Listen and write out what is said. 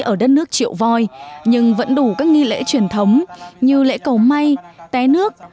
ở đất nước triệu voi nhưng vẫn đủ các nghi lễ truyền thống như lễ cầu may té nước